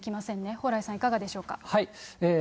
蓬莱さん、いかがでしょうか。